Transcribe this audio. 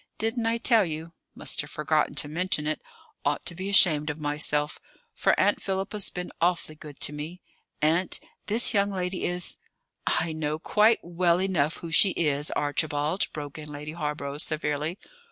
Didn't I tell you? Must have forgotten to mention it: ought to be ashamed of myself, for Aunt Philippa's been awfully good to me. Aunt, this young lady is " "I know quite well enough who she is, Archibald," broke in Lady Hawborough severely.